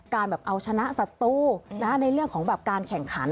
การแบบเอาชนะสัตว์ในเรื่องของแบบการแข่งขัน